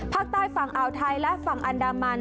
ภาคใต้ฝั่งอ่าวไทยและฝั่งอันดามัน